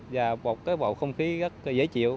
và một cái bộ không khí rất là dễ chịu